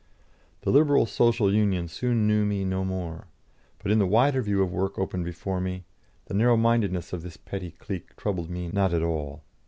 The Liberal Social Union soon knew me no more, but in the wider field of work open before me, the narrow mindedness of this petty clique troubled me not at all.